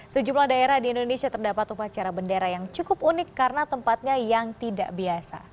sejumlah daerah di indonesia terdapat upacara bendera yang cukup unik karena tempatnya yang tidak biasa